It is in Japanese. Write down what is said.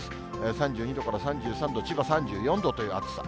３２度から３３度、千葉３４度という暑さ。